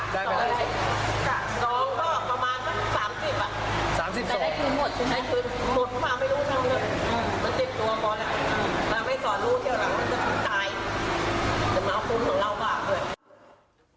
จะมาเอาควบคุมของเราบ้าง